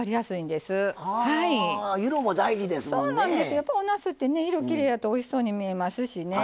やっぱおなすってね色きれいやとおいしそうに見えますしね。